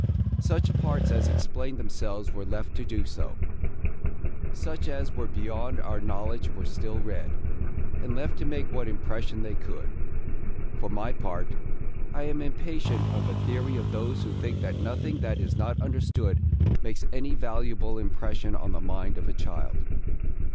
Such parts as explained themselves were left to do so. Such as were beyond our knowledge were still read, and left to make what impression they could. For my part, I am impatient of the theory of those who think that nothing that is not understood makes any valuable impression on the mind of a child.